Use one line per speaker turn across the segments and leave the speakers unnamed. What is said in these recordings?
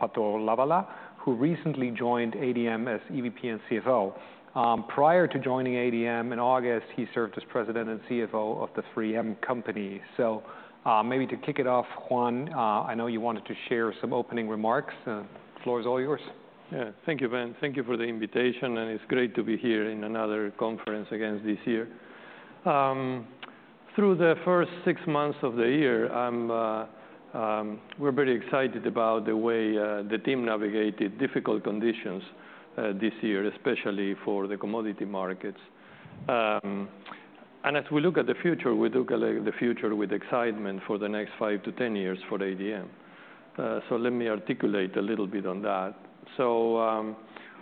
Monish Patolawala, who recently joined ADM as EVP and CFO. Prior to joining ADM in August, he served as president and CFO of the 3M Company. So, maybe to kick it off, Juan, I know you wanted to share some opening remarks. Floor is all yours.
Yeah. Thank you, Ben. Thank you for the invitation, and it's great to be here in another conference again this year. Through the first six months of the year, we're very excited about the way the team navigated difficult conditions this year, especially for the commodity markets. And as we look at the future, we look at the future with excitement for the next 5-10 years for ADM. So let me articulate a little bit on that.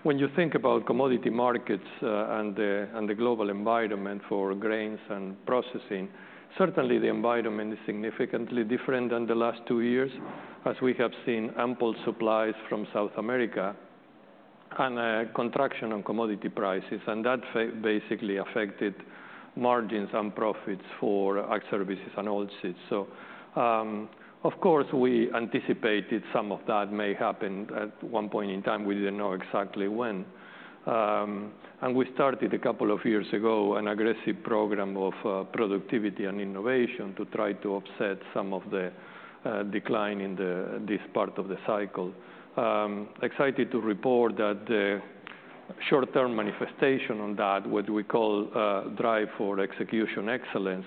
When you think about commodity markets and the global environment for grains and processing, certainly the environment is significantly different than the last two years, as we have seen ample supplies from South America and a contraction on commodity prices. That basically affected margins and profits for Ag Services and Oilseeds. So, of course, we anticipated some of that may happen at one point in time. We didn't know exactly when, and we started a couple of years ago an aggressive program of productivity and innovation to try to offset some of the decline in this part of the cycle. Excited to report that the short-term manifestation on that, what we call Drive for Execution Excellence,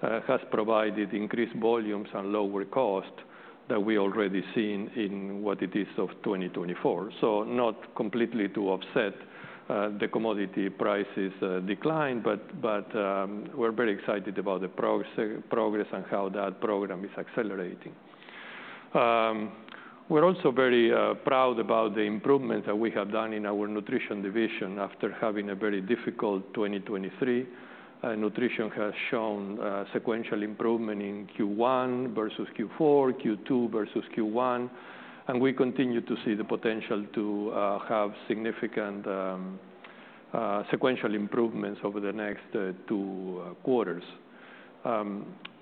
has provided increased volumes and lower cost that we already seen in what it is of 2024, so not completely to offset the commodity prices decline, but we're very excited about the progress and how that program is accelerating. We're also very proud about the improvement that we have done in our Nutrition division after having a very difficult 2023. Nutrition has shown sequential improvement in Q1 versus Q4, Q2 versus Q1, and we continue to see the potential to have significant sequential improvements over the next two quarters.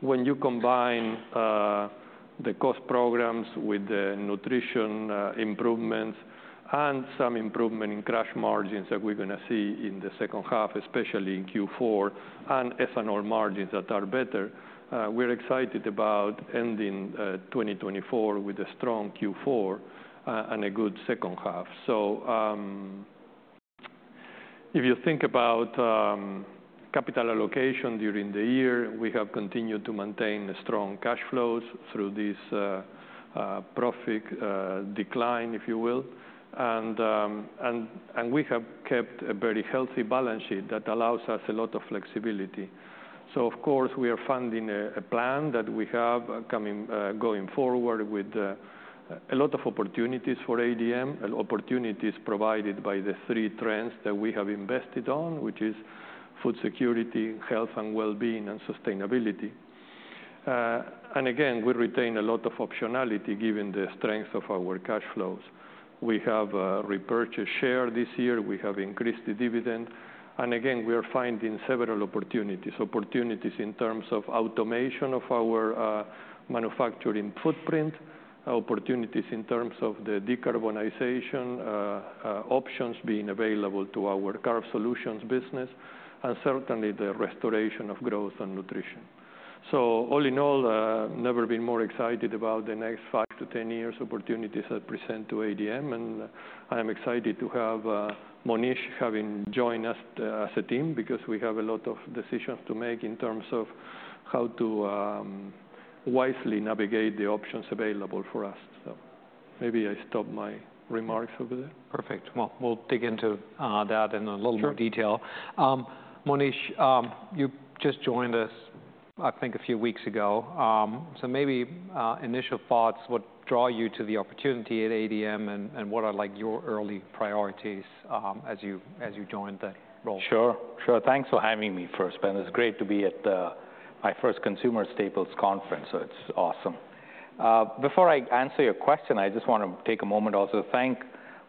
When you combine the cost programs with the Nutrition improvements and some improvement in crush margins that we're gonna see in the second half, especially in Q4, and ethanol margins that are better, we're excited about ending 2024 with a strong Q4 and a good second half. If you think about capital allocation during the year, we have continued to maintain strong cash flows through this profit decline, if you will. We have kept a very healthy balance sheet that allows us a lot of flexibility. So of course, we are funding a plan that we have going forward with a lot of opportunities for ADM and opportunities provided by the three trends that we have invested on, which is food security, health and wellbeing, and sustainability. And again, we retain a lot of optionality, given the strength of our cash flows. We have repurchased share this year. We have increased the dividend, and again, we are finding several opportunities. Opportunities in terms of automation of our manufacturing footprint, opportunities in terms of the decarbonization options being available to our Carb Solutions business, and certainly the restoration of Growth and Nutrition. So all in all, never been more excited about the next 5-10 years opportunities that present to ADM, and I am excited to have Monish having joined us as a team, because we have a lot of decisions to make in terms of how to wisely navigate the options available for us. So maybe I stop my remarks over there.
Perfect. Well, we'll dig into that in a little-
Sure...
more detail. Monish, you just joined us, I think, a few weeks ago. So maybe, initial thoughts, what draw you to the opportunity at ADM, and what are, like, your early priorities, as you join the role?
Sure, sure. Thanks for having me first, Ben. It's great to be at my first Consumer Staples Conference, so it's awesome. Before I answer your question, I just want to take a moment also to thank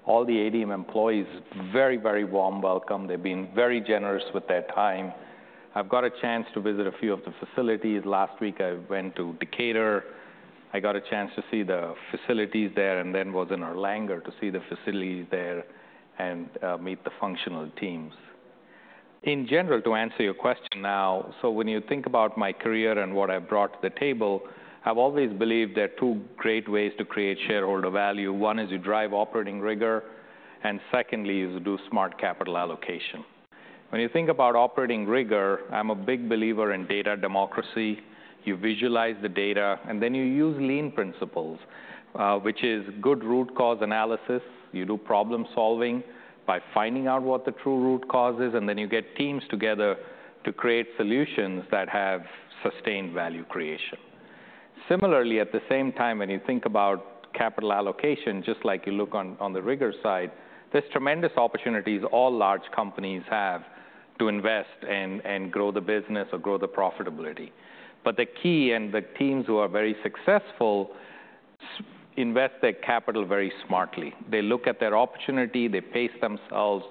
all the ADM employees. Very, very warm welcome. They've been very generous with their time. I've got a chance to visit a few of the facilities. Last week, I went to Decatur. I got a chance to see the facilities there, and then was in Erlanger to see the facilities there and meet the functional teams. In general, to answer your question now, so when you think about my career and what I've brought to the table, I've always believed there are two great ways to create shareholder value. One is you drive operating rigor, and secondly, is you do smart capital allocation. When you think about operating rigor, I'm a big believer in data democracy. You visualize the data, and then you use lean principles, which is good root cause analysis. You do problem-solving by finding out what the true root cause is, and then you get teams together to create solutions that have sustained value creation. Similarly, at the same time, when you think about capital allocation, just like you look on the rigor side, there's tremendous opportunities all large companies have to invest and grow the business or grow the profitability. But the key, and the teams who are very successful, invest their capital very smartly. They look at their opportunity, they pace themselves,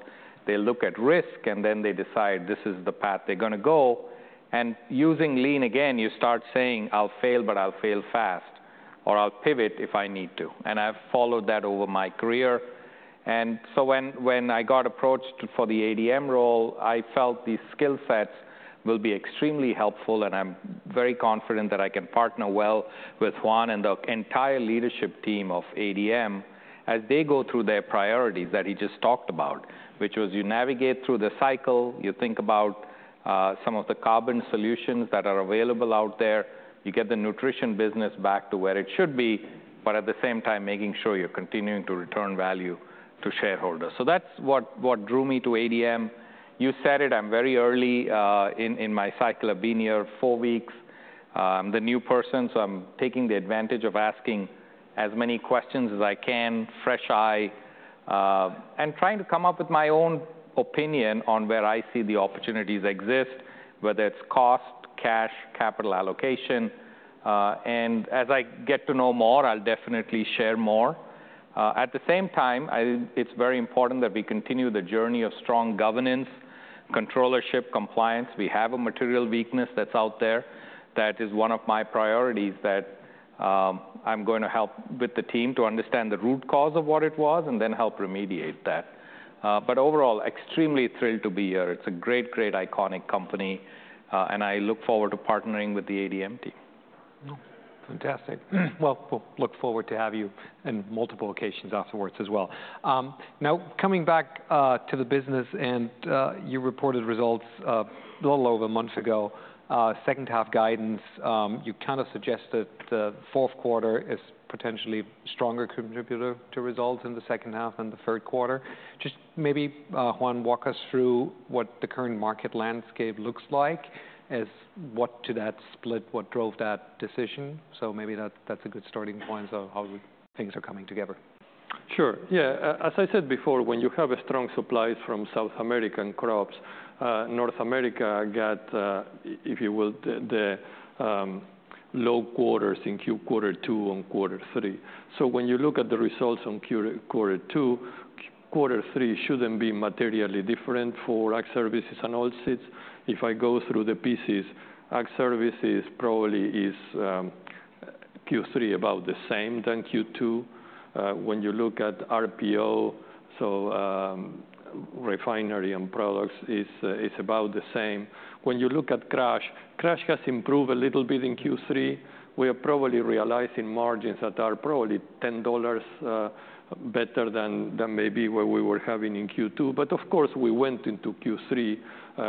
they look at risk, and then they decide this is the path they're gonna go. And using lean again, you start saying, "I'll fail, but I'll fail fast."... or I'll pivot if I need to, and I've followed that over my career. And so when I got approached for the ADM role, I felt these skill sets will be extremely helpful, and I'm very confident that I can partner well with Juan and the entire leadership team of ADM as they go through their priorities that he just talked about, which was you navigate through the cycle, you think about some of the carbon solutions that are available out there, you get the Nutrition business back to where it should be, but at the same time, making sure you're continuing to return value to shareholders. So that's what drew me to ADM. You said it, I'm very early in my cycle of being here four weeks. I'm the new person, so I'm taking the advantage of asking as many questions as I can, fresh eye, and trying to come up with my own opinion on where I see the opportunities exist, whether it's cost, cash, capital allocation, and as I get to know more, I'll definitely share more. At the same time, it's very important that we continue the journey of strong governance, controllership, compliance. We have a material weakness that's out there. That is one of my priorities that I'm going to help with the team to understand the root cause of what it was and then help remediate that, but overall, extremely thrilled to be here. It's a great, great, iconic company, and I look forward to partnering with the ADM team.
Oh, fantastic. Well, we'll look forward to have you in multiple occasions afterwards as well. Now coming back to the business, and you reported results a little over a month ago, second half guidance. You kind of suggested the fourth quarter is potentially a stronger contributor to results in the second half than the third quarter. Just maybe, Juan, walk us through what the current market landscape looks like as what to that split, what drove that decision? So maybe that's a good starting point of how things are coming together.
Sure. Yeah, as I said before, when you have a strong supply from South American crops, North America got, if you will, the low quarters in quarter two and quarter three. So when you look at the results on quarter two, quarter three shouldn't be materially different for Ag Services and Oilseeds. If I go through the pieces, Ag Services probably is Q3 about the same than Q2. When you look at RPO, so refinery and products is about the same. When you look at crush, crush has improved a little bit in Q3. We are probably realizing margins that are probably $10 better than maybe what we were having in Q2, but of course, we went into Q3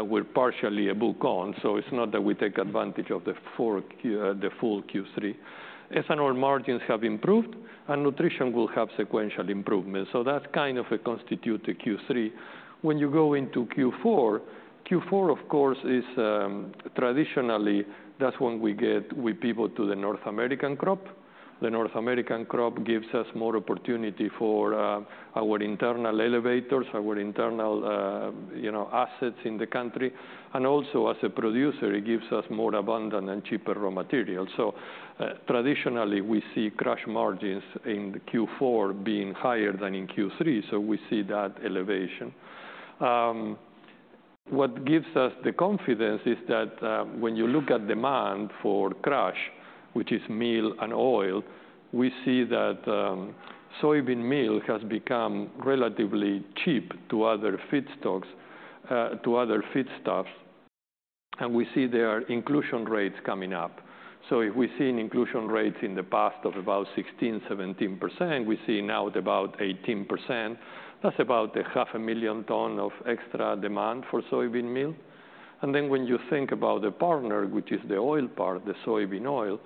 with partially a book on, so it's not that we take advantage of the full Q3. Ethanol margins have improved, and nutrition will have sequential improvement, so that's kind of a constitute the Q3. When you go into Q4, Q4 of course is traditionally that's when we get we pivot to the North American crop. The North American crop gives us more opportunity for our internal elevators, our internal you know assets in the country, and also, as a producer, it gives us more abundant and cheaper raw materials. So traditionally we see crush margins in Q4 being higher than in Q3, so we see that elevation. What gives us the confidence is that, when you look at demand for crush, which is meal and oil, we see that, soybean meal has become relatively cheap to other feedstocks, to other feedstuffs, and we see their inclusion rates coming up. So if we've seen inclusion rates in the past of about 16, 17%, we see now at about 18%, that's about 500,000 tons of extra demand for soybean meal. And then when you think about the partner, which is the oil part, the soybean oil,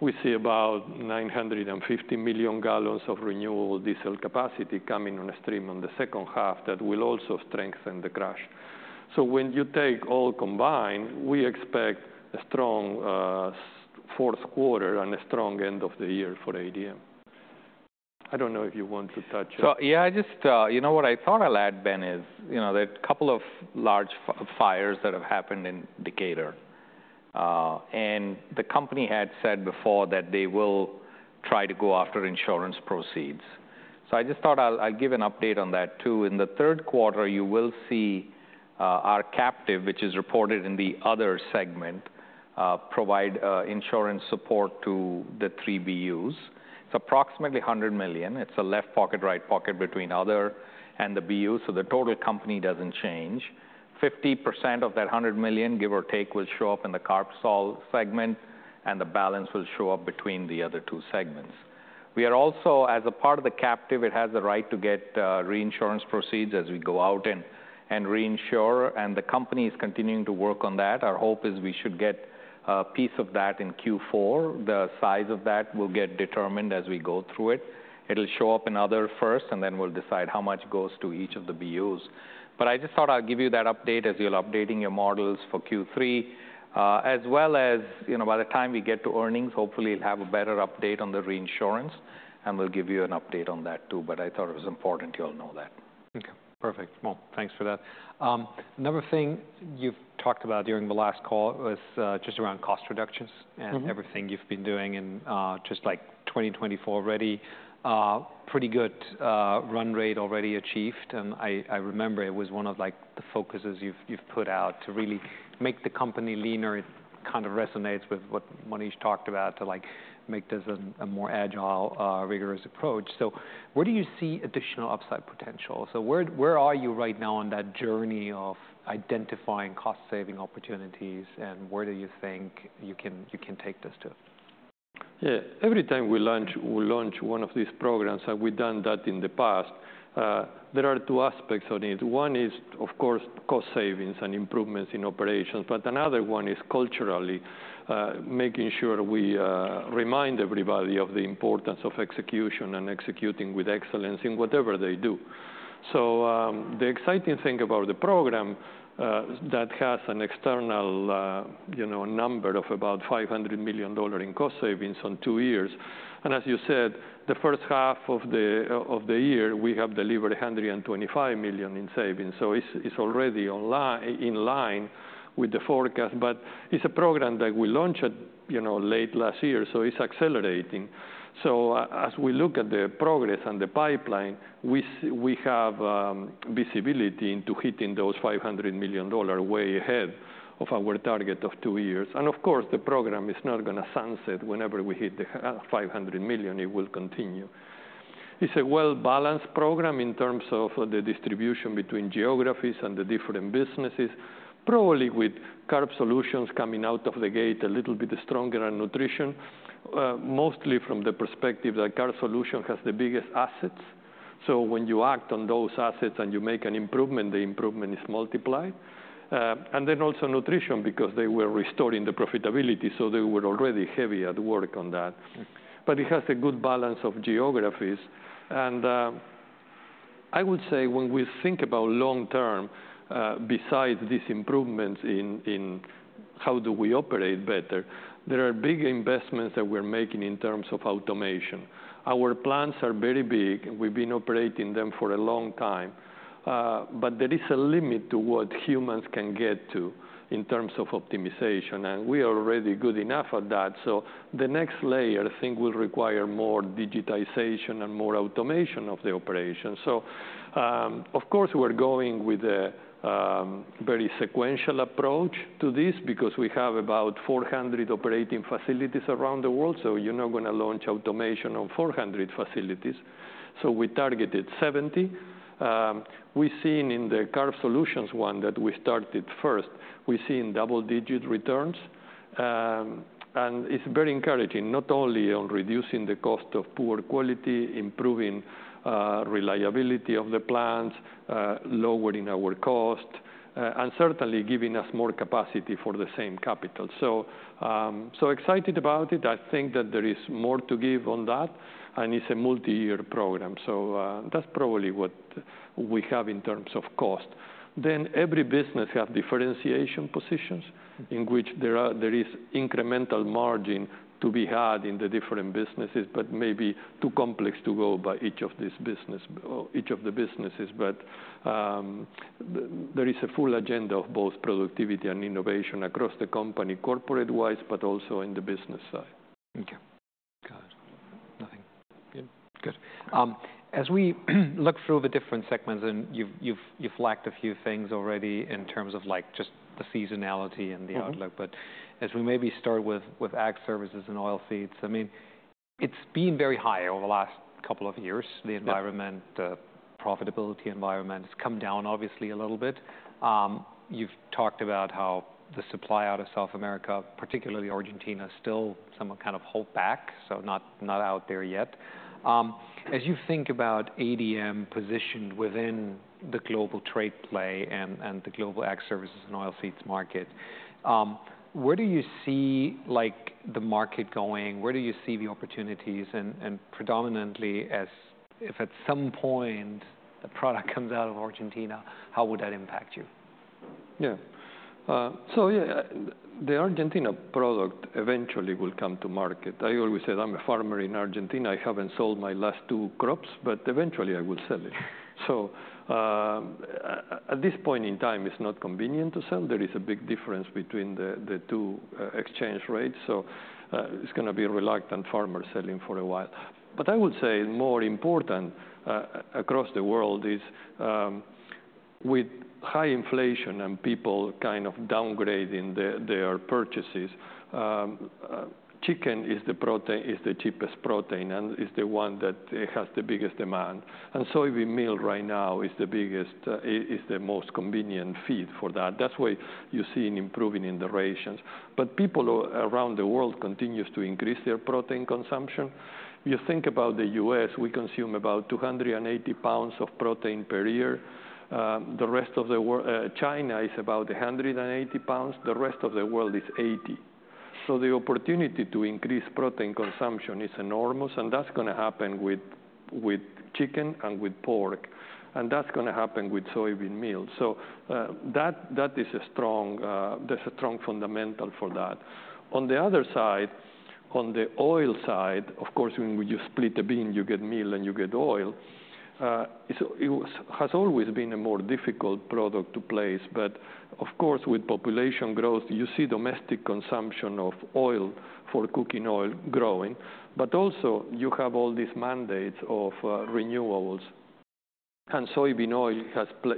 we see about 950 million gallons of renewable diesel capacity coming on stream in the second half that will also strengthen the crush. So when you take all combined, we expect a strong, fourth quarter and a strong end of the year for ADM. I don't know if you want to touch on-
So yeah, I just, you know, what I thought I'll add, Ben, is, you know, there are a couple of large fires that have happened in Decatur, and the company had said before that they will try to go after insurance proceeds. So I just thought I'll give an update on that, too. In the third quarter, you will see, our captive, which is reported in the Other segment, provide, insurance support to the three BUs. It's approximately $100 million. It's a left pocket, right pocket between other and the BU, so the total company doesn't change. 50% of that $100 million, give or take, will show up in the CarbSol segment, and the balance will show up between the other two segments. We are also, as a part of the captive, it has the right to get, reinsurance proceeds as we go out and reinsure, and the company is continuing to work on that. Our hope is we should get a piece of that in Q4. The size of that will get determined as we go through it. It'll show up in other first, and then we'll decide how much goes to each of the BUs. But I just thought I'd give you that update as you're updating your models for Q3, as well as, you know, by the time we get to earnings, hopefully we'll have a better update on the reinsurance, and we'll give you an update on that, too. But I thought it was important you all know that.
Okay, perfect. Well, thanks for that. Another thing you've talked about during the last call was just around cost reductions-
Mm-hmm.
-and everything you've been doing in, just, like, 2024 already. Pretty good run rate already achieved, and I remember it was one of, like, the focuses you've put out to really make the company leaner. It kind of resonates with what Monish talked about, to, like, make this a more agile, rigorous approach. So where do you see additional upside potential? So where are you right now on that journey of identifying cost-saving opportunities, and where do you think you can take this to?...
Yeah, every time we launch, we launch one of these programs, and we've done that in the past. There are two aspects on it. One is, of course, cost savings and improvements in operations, but another one is culturally making sure we remind everybody of the importance of execution and executing with excellence in whatever they do. So, the exciting thing about the program that has an external, you know, number of about $500 million in cost savings over two years. And as you said, the first half of the year, we have delivered $125 million in savings, so it's already in line with the forecast. But it's a program that we launched at, you know, late last year, so it's accelerating. As we look at the progress and the pipeline, we have visibility into hitting those $500 million way ahead of our target of two years. Of course, the program is not gonna sunset whenever we hit the 500 million, it will continue. It's a well-balanced program in terms of the distribution between geographies and the different businesses. Probably with Carb Solutions coming out of the gate a little bit stronger than Nutrition, mostly from the perspective that Carb Solutions has the biggest assets. When you act on those assets and you make an improvement, the improvement is multiplied. And then also Nutrition, because they were restoring the profitability, so they were already heavy at work on that. It has a good balance of geographies. I would say when we think about long-term, besides these improvements in how do we operate better, there are big investments that we're making in terms of automation. Our plants are very big. We've been operating them for a long time, but there is a limit to what humans can get to in terms of optimization, and we are already good enough at that. So the next layer, I think, will require more digitization and more automation of the operation. So, of course, we're going with a very sequential approach to this because we have about 400 operating facilities around the world, so you're not gonna launch automation on 400 facilities. So we targeted 70. We've seen in the Carb Solutions one that we started first, we've seen double-digit returns. And it's very encouraging, not only on reducing the cost of poor quality, improving reliability of the plants, lowering our cost, and certainly giving us more capacity for the same capital. So, so excited about it. I think that there is more to give on that, and it's a multi-year program. So, that's probably what we have in terms of cost. Then, every business have differentiation positions in which there is incremental margin to be had in the different businesses, but maybe too complex to go by each of the businesses. But, there is a full agenda of both productivity and innovation across the company, corporate-wise, but also in the business side.
Okay, got it. Nothing. Good. As we look through the different segments, and you've flagged a few things already in terms of, like, just the seasonality and the outlook.
Mm-hmm.
But as we maybe start with Ag Services and Oilseeds, I mean, it's been very high over the last couple of years.
Yeah...
the environment, the profitability environment. It's come down, obviously, a little bit. You've talked about how the supply out of South America, particularly Argentina, is still somewhat kind of held back, so not out there yet. As you think about ADM positioned within the global trade play and the global Ag Services and Oilseeds market, where do you see, like, the market going? Where do you see the opportunities? And predominantly, as if at some point a product comes out of Argentina, how would that impact you?
Yeah. So yeah, the Argentina product eventually will come to market. I always said I'm a farmer in Argentina. I haven't sold my last two crops, but eventually I will sell it. So, at this point in time, it's not convenient to sell. There is a big difference between the two exchange rates, so it's gonna be a reluctant farmer selling for a while. But I would say more important across the world is, with high inflation and people kind of downgrading their purchases, chicken is the protein, is the cheapest protein, and is the one that has the biggest demand. And soybean meal right now is the biggest, is the most convenient feed for that. That's why you're seeing improving in the rations. But people around the world continues to increase their protein consumption. You think about the U.S., we consume about 280 lbs of protein per year. The rest of the world, China is about 180 lbs, the rest of the world is 80. So the opportunity to increase protein consumption is enormous, and that's gonna happen with chicken and with pork, and that's gonna happen with soybean meal. So that is a strong, that's a strong fundamental for that. On the other side, on the oil side, of course, when you split a bean, you get meal and you get oil. It has always been a more difficult product to place. But of course, with population growth, you see domestic consumption of oil for cooking oil growing, but also you have all these mandates of renewables, and soybean oil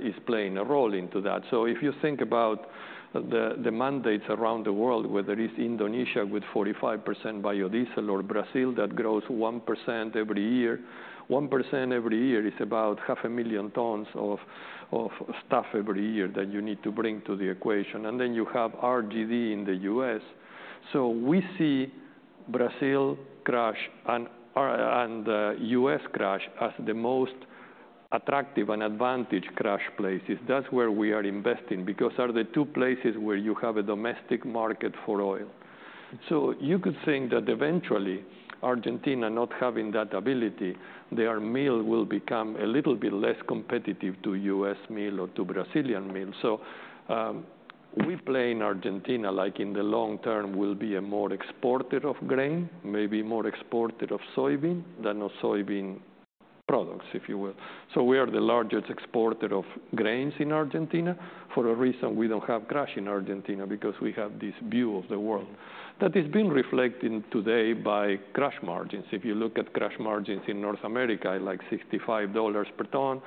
is playing a role into that. So if you think about the mandates around the world, whether it's Indonesia with 45% biodiesel or Brazil that grows 1% every year. 1% every year is about 500,000 tons of stuff every year that you need to bring to the equation. And then you have RFS in the U.S. So we see Brazil crush and U.S. crush as the most attractive and advantaged crush places. That's where we are investing because they are the two places where you have a domestic market for oil. So you could think that eventually, Argentina not having that ability, their meal will become a little bit less competitive to U.S. meal or to Brazilian meal. So we play in Argentina, like, in the long term, will be a more exporter of grain, maybe more exporter of soybean than of soybean products, if you will. So we are the largest exporter of grains in Argentina for a reason we don't have crush in Argentina, because we have this view of the world. That is being reflected today by crush margins. If you look at crush margins in North America, like $65 per ton,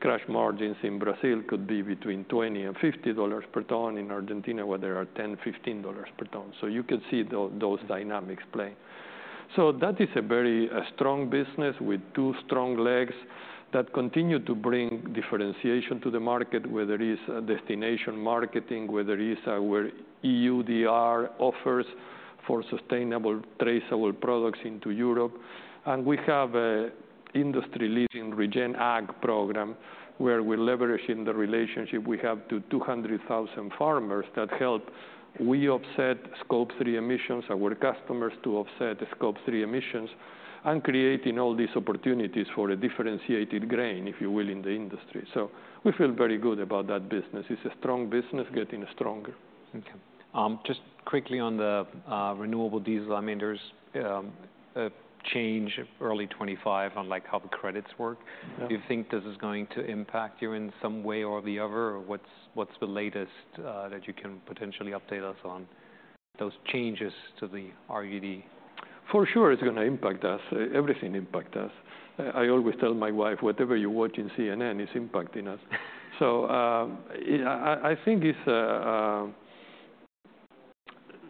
crush margins in Brazil could be between $20 and $50 per ton, in Argentina, where there are $10, $15 per ton. So you can see those dynamics play. So that is a very strong business with two strong legs that continue to bring differentiation to the market, whether it is destination marketing, whether it is our EUDR offers for sustainable, traceable products into Europe. And we have an industry-leading regen ag program, where we're leveraging the relationship we have to 200,000 farmers that help we offset Scope 3 emissions, our customers to offset Scope 3 emissions, and creating all these opportunities for a differentiated grain, if you will, in the industry. So we feel very good about that business. It's a strong business getting stronger.
Okay. Just quickly on the renewable diesel, I mean, there's a change early 2025 on, like, how the credits work.
Yeah.
Do you think this is going to impact you in some way or the other, or what's the latest that you can potentially update us on those changes to the EUDR?
For sure, it's gonna impact us. Everything impact us. I always tell my wife, "Whatever you watch in CNN is impacting us." So, I think it's.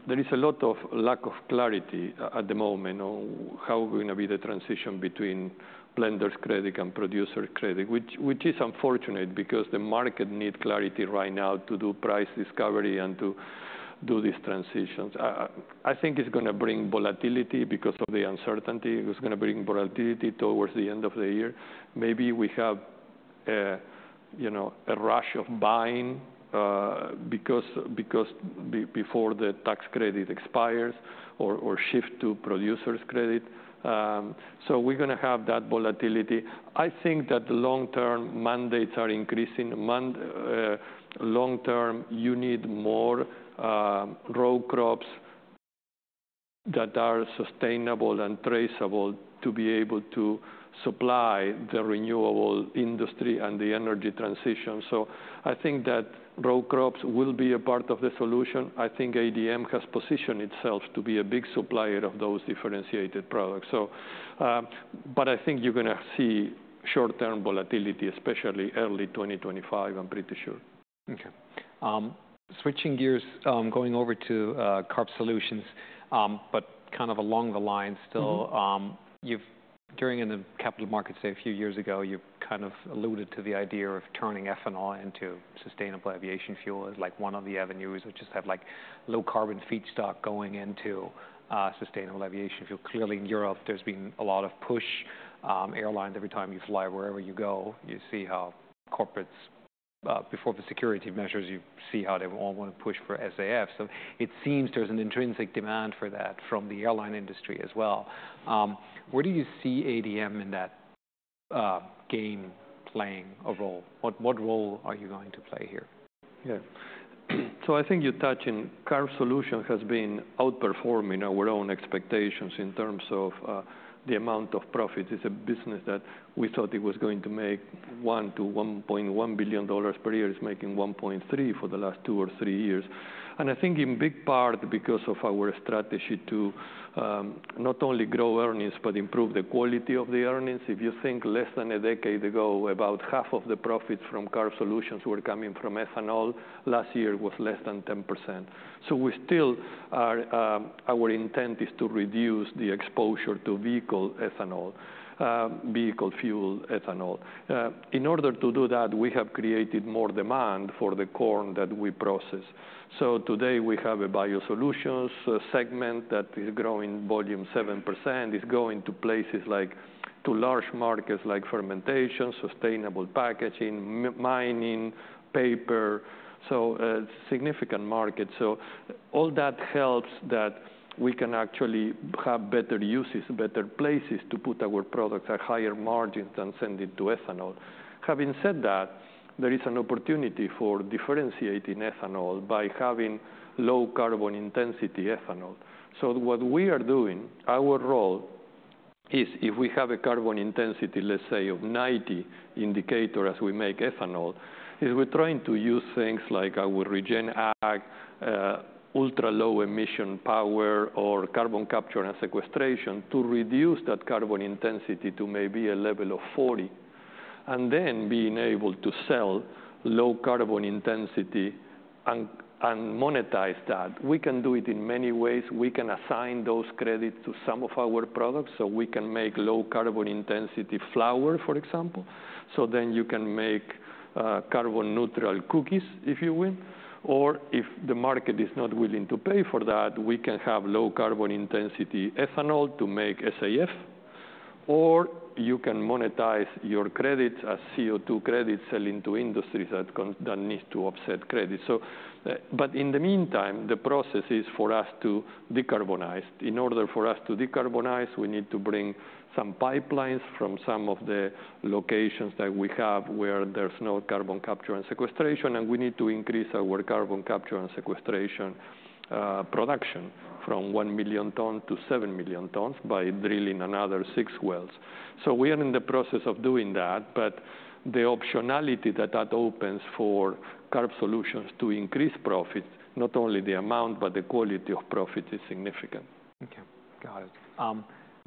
There is a lot of lack of clarity at the moment on how going to be the transition between blender's credit and producer credit, which is unfortunate, because the market need clarity right now to do price discovery and to do these transitions. I think it's gonna bring volatility because of the uncertainty. It's gonna bring volatility towards the end of the year. Maybe we have a you know, a rush of buying, because before the tax credit expires or shift to producer's credit. So we're gonna have that volatility. I think that long-term mandates are increasing. Long term, you need more row crops that are sustainable and traceable to be able to supply the renewable industry and the energy transition. So I think that row crops will be a part of the solution. I think ADM has positioned itself to be a big supplier of those differentiated products. So, but I think you're gonna see short-term volatility, especially early 2025, I'm pretty sure.
Okay. Switching gears, going over to Carb Solutions, but kind of along the lines still-
Mm-hmm...
During the capital markets, say, a few years ago, you kind of alluded to the idea of turning ethanol into sustainable aviation fuel as, like, one of the avenues, which is to have, like, low-carbon feedstock going into sustainable aviation fuel. Clearly, in Europe, there's been a lot of push. Airlines, every time you fly, wherever you go, you see how corporates, before the security measures, you see how they all want to push for SAF. So it seems there's an intrinsic demand for that from the airline industry as well. Where do you see ADM in that game, playing a role? What role are you going to play here?
Yeah. So I think you're touching, Carb Solutions has been outperforming our own expectations in terms of, the amount of profit. It's a business that we thought it was going to make $1-$1.1 billion per year. It's making $1.3 billion for the last two or three years, and I think in big part because of our strategy to, not only grow earnings, but improve the quality of the earnings. If you think less than a decade ago, about half of the profits from Carb Solutions were coming from ethanol. Last year, it was less than 10%. So we still are, our intent is to reduce the exposure to vehicle ethanol, vehicle fuel ethanol. In order to do that, we have created more demand for the corn that we process. So today, we have a BioSolutions segment that is growing volume 7%. It's going to places like, to large markets like fermentation, sustainable packaging, mining, paper, so a significant market. So all that helps that we can actually have better uses, better places to put our products at higher margins than send it to ethanol. Having said that, there is an opportunity for differentiating ethanol by having low carbon intensity ethanol. So what we are doing, our role is, if we have a carbon intensity, let's say, of 90 CI as we make ethanol, is we're trying to use things like our regen ag, ultra-low emission power, or carbon capture and sequestration, to reduce that carbon intensity to maybe a level of 40, and then being able to sell low carbon intensity and monetize that. We can do it in many ways. We can assign those credits to some of our products. So we can make low carbon intensity flour, for example, so then you can make carbon-neutral cookies, if you will. Or if the market is not willing to pay for that, we can have low carbon intensity ethanol to make SAF. Or you can monetize your credits as CO2 credits, selling to industries that need to offset credits. But in the meantime, the process is for us to decarbonize. In order for us to decarbonize, we need to bring some pipelines from some of the locations that we have, where there's no carbon capture and sequestration, and we need to increase our carbon capture and sequestration production from 1 million ton- 7 million tons by drilling another six wells. So we are in the process of doing that, but the optionality that that opens for Carb Solutions to increase profits, not only the amount, but the quality of profit, is significant.
Okay, got it.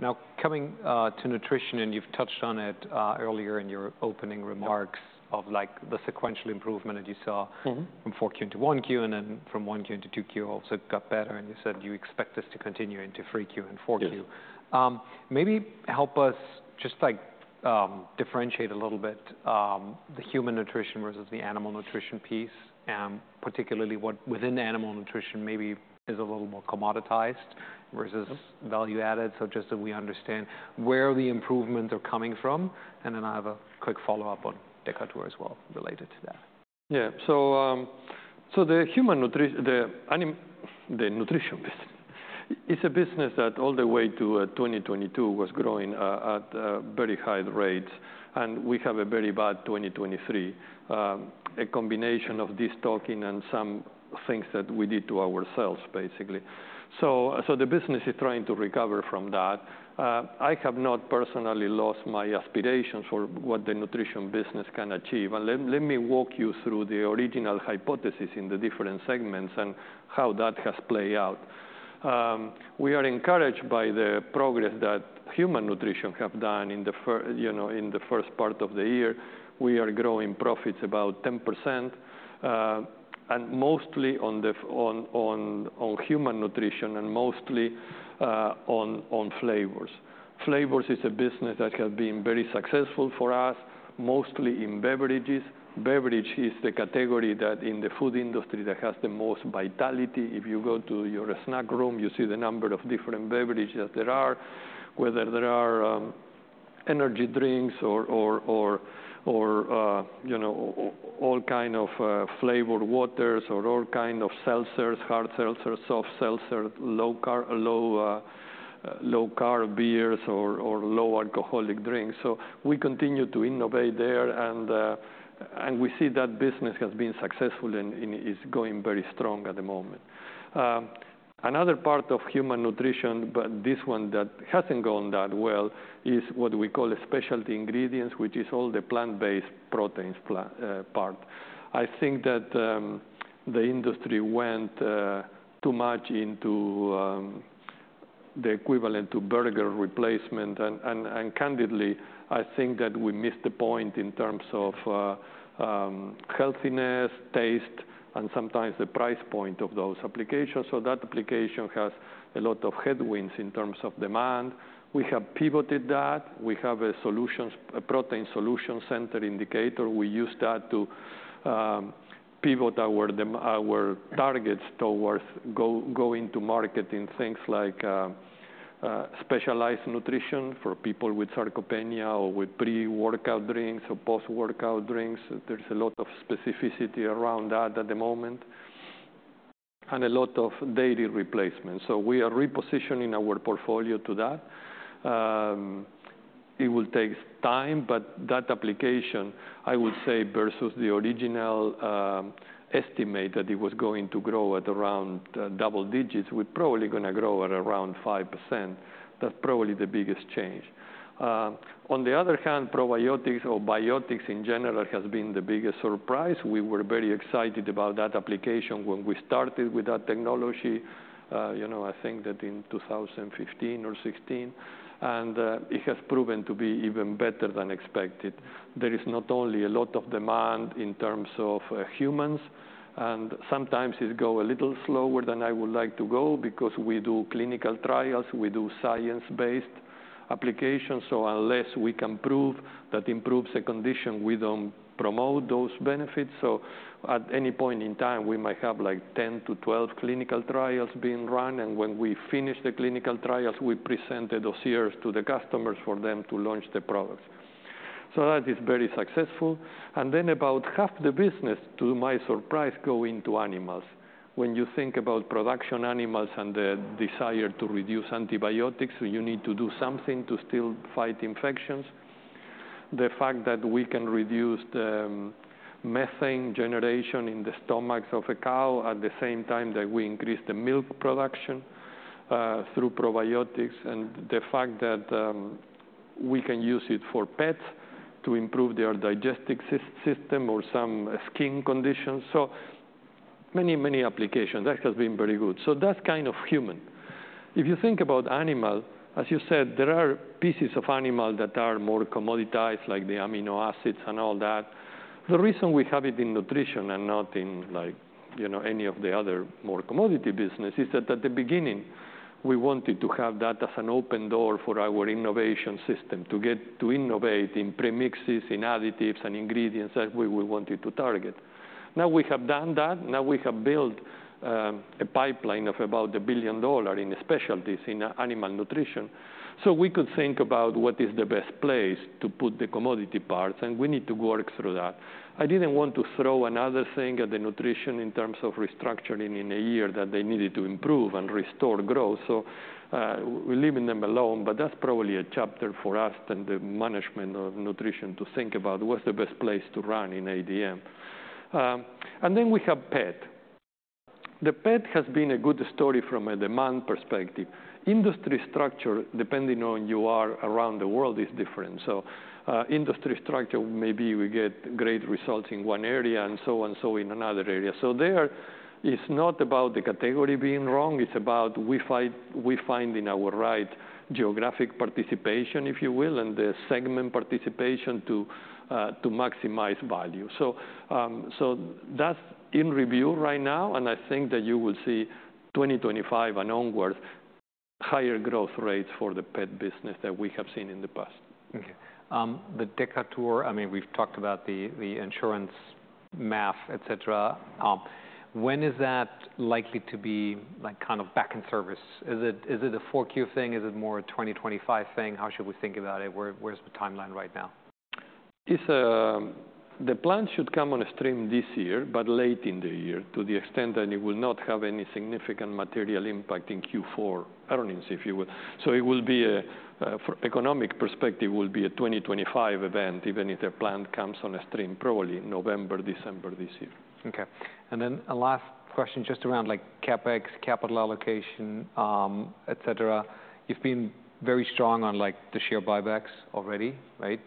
Now, coming to Nutrition, and you've touched on it earlier in your opening remarks-
Yeah...
of, like, the sequential improvement that you saw-
Mm-hmm
From four Q to one Q, and then from one Q into two Q, also it got better, and you said you expect this to continue into three Q and four Q.
Yes.
Maybe help us just, like, differentiate a little bit, the Human Nutrition versus the Animal Nutrition piece, and particularly what within the Animal Nutrition maybe is a little more commoditized versus-
Yes...
value added, so just that we understand where the improvements are coming from, and then I have a quick follow-up on Decatur as well, related to that.
Yeah. So the Nutrition business, it's a business that all the way to 2022 was growing at very high rates, and we have a very bad 2023, a combination of this tanking and some things that we did to ourselves, basically, so the business is trying to recover from that. I have not personally lost my aspirations for what the Nutrition business can achieve, and let me walk you through the original hypothesis in the different segments and how that has played out. We are encouraged by the progress that Human Nutrition have done, you know, in the first part of the year. We are growing profits about 10%, and mostly on Human Nutrition, and mostly on flavors. Flavors is a business that has been very successful for us, mostly in beverages. Beverage is the category that, in the food industry, that has the most vitality. If you go to your snack room, you see the number of different beverages that there are, whether there are energy drinks or you know all kind of flavored waters or all kind of seltzers, hard seltzers, soft seltzer, low-carb beers or low alcoholic drinks. So we continue to innovate there, and we see that business has been successful and is going very strong at the moment. Another part of Human Nutrition, but this one that hasn't gone that well, is what we call specialty ingredients, which is all the plant-based proteins part. I think that the industry went too much into the equivalent to burger replacement, and candidly, I think that we missed the point in terms of healthiness, taste, and sometimes the price point of those applications. So that application has a lot of headwinds in terms of demand. We have pivoted that. We have a solution, a protein solution center in Decatur. We use that to pivot our targets towards going to market in things like specialized nutrition for people with sarcopenia or with pre-workout drinks or post-workout drinks. There's a lot of specificity around that at the moment, and a lot of daily replacements. So we are repositioning our portfolio to that. It will take time, but that application, I would say, versus the original estimate, that it was going to grow at around double digits, we're probably gonna grow at around 5%. That's probably the biggest change. On the other hand, probiotics or biotics in general has been the biggest surprise. We were very excited about that application when we started with that technology, you know, I think that in 2015 or 2016, and it has proven to be even better than expected. There is not only a lot of demand in terms of humans, and sometimes it go a little slower than I would like to go, because we do clinical trials, we do science-based applications, so unless we can prove that improves the condition, we don't promote those benefits. So at any point in time, we might have, like, 10-12 clinical trials being run, and when we finish the clinical trials, we present the dossiers to the customers for them to launch the products. So that is very successful. And then, about half the business, to my surprise, go into animals. When you think about production animals and the desire to reduce antibiotics, you need to do something to still fight infections. The fact that we can reduce the methane generation in the stomachs of a cow, at the same time that we increase the milk production through probiotics, and the fact that we can use it for pets to improve their digestive system or some skin conditions. So many, many applications. That has been very good. So that's kind of human. If you think about animal, as you said, there are pieces of animal that are more commoditized, like the amino acids and all that. The reason we have it in nutrition and not in, like, you know, any of the other more commodity business, is that at the beginning, we wanted to have that as an open door for our innovation system to get to innovate in premixes, in additives, and ingredients that we wanted to target. Now we have done that, now we have built a pipeline of about $1 billion in specialties in Animal Nutrition. So we could think about what is the best place to put the commodity parts, and we need to work through that. I didn't want to throw another thing at the nutrition in terms of restructuring in a year that they needed to improve and restore growth, so, we're leaving them alone. But that's probably a chapter for us and the management of Nutrition to think about what's the best place to run in ADM. And then we have pet. The pet has been a good story from a demand perspective. Industry structure, depending on you are around the world, is different. So, industry structure, maybe we get great results in one area and so and so in another area. So there, it's not about the category being wrong, it's about we find, we finding our right geographic participation, if you will, and the segment participation to, to maximize value. That's in review right now, and I think that you will see 2025 and onwards, higher growth rates for the pet business than we have seen in the past.
Okay. The Decatur, I mean, we've talked about the insurance math, et cetera. When is that likely to be, like, kind of back in service? Is it a 4Q thing? Is it more a 2025 thing? How should we think about it? Where's the timeline right now?
It's. The plan should come on stream this year, but late in the year, to the extent that it will not have any significant material impact in Q4 earnings, if you will. So it will be a from economic perspective, will be a 2025 event, even if the plant comes on a stream probably November, December this year.
Okay. And then a last question, just around, like, CapEx, capital allocation, et cetera. You've been very strong on, like, the share buybacks already, right?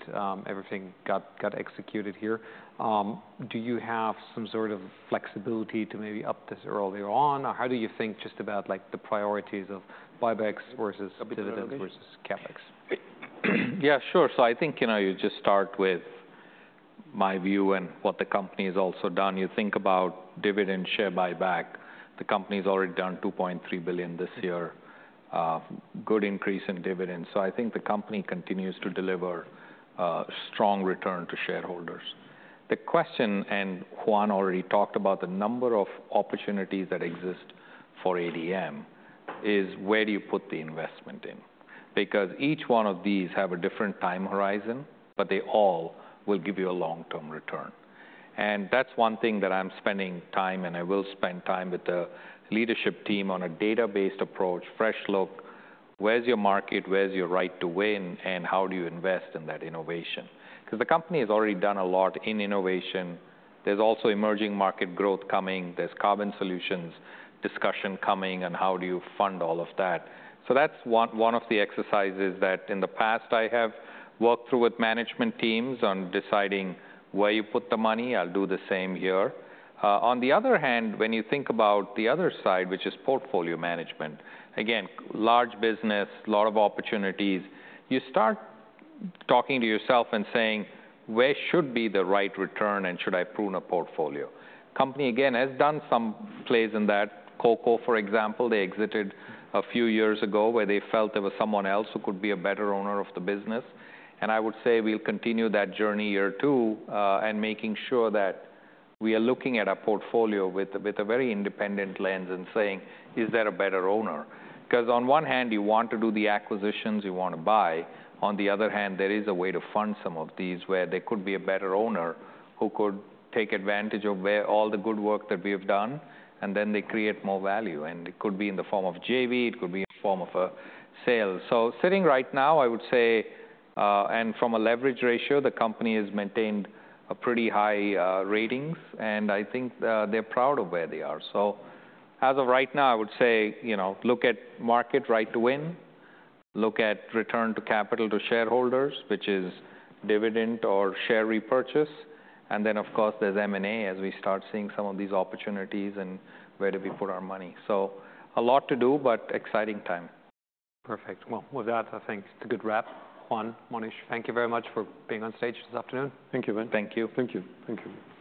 Everything got executed here. Do you have some sort of flexibility to maybe up this earlier on? Or how do you think just about, like, the priorities of buybacks versus dividends versus CapEx?
Yeah, sure. So I think, you know, you just start with my view and what the company has also done. You think about dividend share buyback, the company's already done $2.3 billion this year. Good increase in dividends. So I think the company continues to deliver, strong return to shareholders. The question, and Juan already talked about the number of opportunities that exist for ADM, is: Where do you put the investment in? Because each one of these have a different time horizon, but they all will give you a long-term return. And that's one thing that I'm spending time, and I will spend time with the leadership team on a data-based approach, fresh look. Where's your market? Where's your right to win, and how do you invest in that innovation? 'Cause the company has already done a lot in innovation. There's also emerging market growth coming, there's carbon solutions discussion coming, and how do you fund all of that? So that's one of the exercises that in the past I have worked through with management teams on deciding where you put the money. I'll do the same here. On the other hand, when you think about the other side, which is portfolio management, again, large business, lot of opportunities. You start talking to yourself and saying, "Where should be the right return, and should I prune a portfolio?" Company, again, has done some plays in that. Cocoa, for example, they exited a few years ago, where they felt there was someone else who could be a better owner of the business. And I would say we'll continue that journey here, too, and making sure that we are looking at a portfolio with a very independent lens and saying, "Is there a better owner?" 'Cause on one hand, you want to do the acquisitions, you want to buy. On the other hand, there is a way to fund some of these, where there could be a better owner who could take advantage of where all the good work that we have done, and then they create more value. And it could be in the form of JV, it could be in form of a sale. So sitting right now, I would say, and from a leverage ratio, the company has maintained a pretty high ratings, and I think, they're proud of where they are. So as of right now, I would say, you know, look at market right to win, look at return to capital to shareholders, which is dividend or share repurchase, and then, of course, there's M&A, as we start seeing some of these opportunities and where do we put our money. So a lot to do, but exciting time.
Perfect. Well, with that, I think it's a good wrap. Juan, Monish, thank you very much for being on stage this afternoon.
Thank you, Ben.
Thank you.
Thank you. Thank you.